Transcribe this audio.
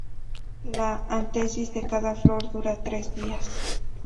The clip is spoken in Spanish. La antesis de cada flor dura tres días.